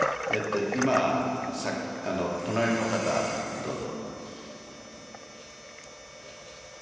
今、隣の方、どうぞ。